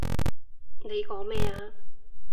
你講咩啊？